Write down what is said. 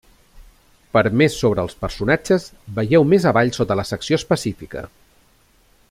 Per més sobre els personatges, vegeu més avall sota la secció específica.